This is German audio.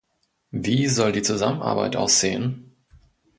Wie soll die Zusammenarbeit aussehen?